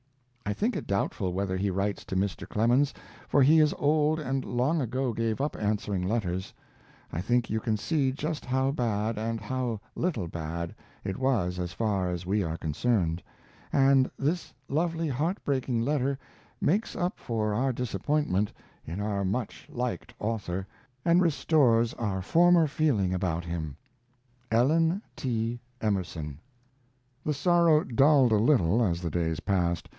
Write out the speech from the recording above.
I think it doubtful whether he writes to Mr. Clemens, for he is old and long ago gave up answering letters, I think you can see just how bad, and how little bad, it was as far as we are concerned, and this lovely heartbreaking letter makes up for our disappointment in our much liked author, and restores our former feeling about him. ELLEN T. EMERSON. The sorrow dulled a little as the days passed.